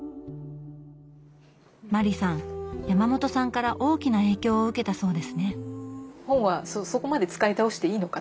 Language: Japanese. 麻里さん山本さんから大きな影響を受けたそうですね。